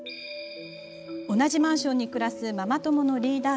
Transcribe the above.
同じマンションに暮らすママ友のリーダー